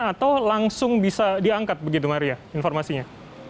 atau langsung bisa diangkat begitu maria informasinya